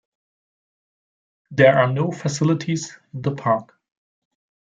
There are no facilities in the park.